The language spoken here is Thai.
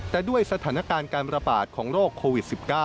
แต่ด้วยสถานการณ์การระบาดของโรคโควิด๑๙